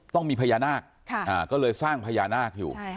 ต้องมีพญานาคก็เลยสร้างพญานาคอยู่